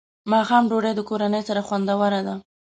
ماښام ډوډۍ د کورنۍ سره خوندوره ده.